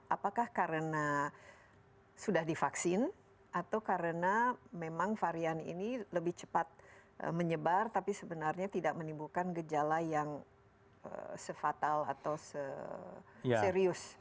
apakah karena sudah divaksin atau karena memang varian ini lebih cepat menyebar tapi sebenarnya tidak menimbulkan gejala yang se fatal atau serius